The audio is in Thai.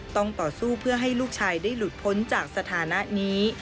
ต่อสู้เพื่อให้ลูกชายได้หลุดพ้นจากสถานะนี้